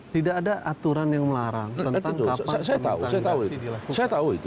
tidak ada aturan yang melarang tentang kapan permintaan gerasi dilakukan